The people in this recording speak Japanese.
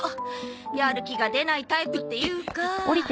やる気が出ないタイプっていうか。